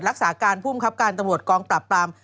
รักษาการภูมิครับการตำรวจกองปรับปราม